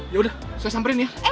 yaudah saya samperin ya